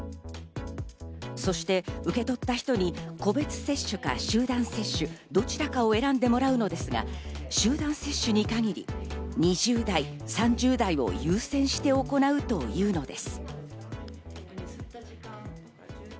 そして受け取った人に個別接種か集団接種、どちらかを選んでもらうのですが、集団接種に限り、２０代、３０代を優先して行うというのです。